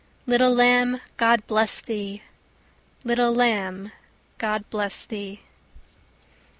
Little lamb, God bless thee! Little lamb, God bless thee!